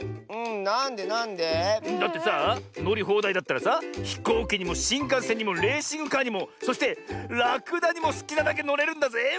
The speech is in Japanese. うんなんでなんで？だってさあのりほうだいだったらさひこうきにもしんかんせんにもレーシングカーにもそしてラクダにもすきなだけのれるんだぜ。